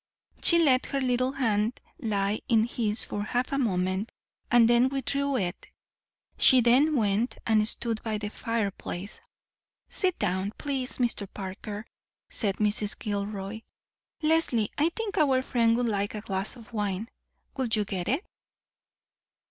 She let her little hand lie in his for half a moment, and then withdrew it. She then went and stood by the fireplace. "Sit down, please, Mr. Parker," said Mrs. Gilroy, "Leslie, I think our friend would like a glass of wine; will you get it?"